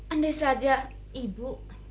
andai saja ibu